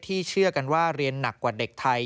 เชื่อกันว่าเรียนหนักกว่าเด็กไทย